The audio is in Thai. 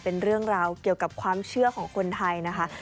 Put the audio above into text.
เป็นเรื่องราวเกี่ยวกับความเชื่อของคนไทยนะคะ